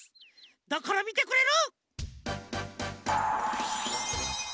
だからみてくれる？